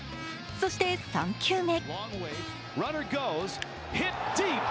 そして３球目。